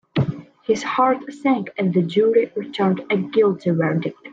His heart sank as the jury returned a guilty verdict.